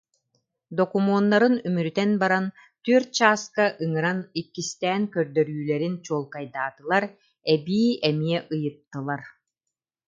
Докумуоннарын үмүрүтэн баран, түөрт чааска ыҥыран иккистээн көрдөрүүлэрин чуолкайдаатылар, эбии эмиэ ыйыттылар